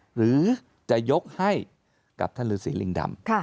หรือจะยกให้กับท่านฤษีลิงดำ